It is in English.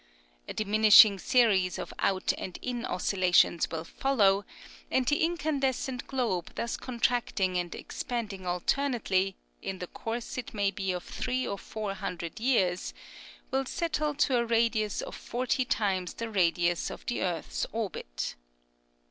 A diminishing series of out and in oscillations will follow, and the incandescent globe thus contracting and expanding alternately, in the course it may be of three or four hundred years, will settle to a radius of forty times* the radius of the earth's orbit.